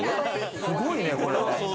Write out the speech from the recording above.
すごいね、これ。